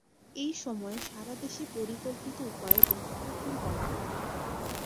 এই সময়ে সারাদেশে পরিকল্পিত উপায়ে বৃক্ষরোপণ করা হয়।